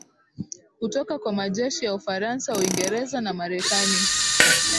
kutoka kwa majeshi ya ufaransa uingereza na marekani